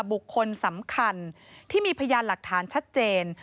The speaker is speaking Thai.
บุคคลสำคัญที่มีพยานหลักฐานชัดเจน